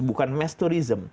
bukan mass tourism